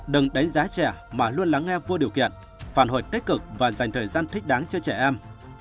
đừng đánh giá trẻ mà luôn lắng nghe vô điều kiện phản hồi tích cực và dành thời gian thích đáng cho trẻ em